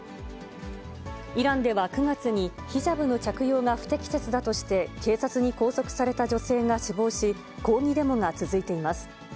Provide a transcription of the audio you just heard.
イランでは９月に、ヒジャブの着用が不適切だとして、警察に拘束された女性が死亡し、抗議デモが続いています。